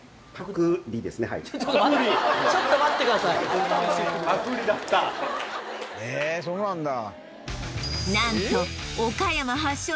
パクりちょっと待ってくださいえーそうなんだ